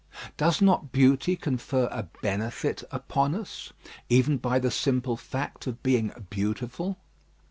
Does not beauty confer a benefit upon us, even by the simple fact of being beautiful?